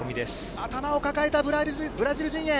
頭を抱えたブラジル陣営。